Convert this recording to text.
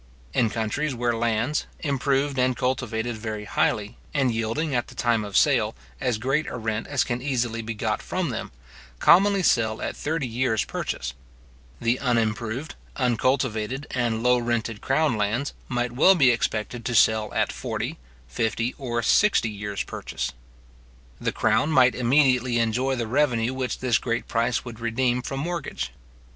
In countries where lands, improved and cultivated very highly, and yielding, at the time of sale, as great a rent as can easily be got from them, commonly sell at thirty years purchase; the unimproved, uncultivated, and low rented crown lands, might well be expected to sell at forty, fifty, or sixty years purchase. The crown might immediately enjoy the revenue which this great price would redeem from mortgage.